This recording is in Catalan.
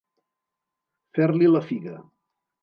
Fer-li la figa.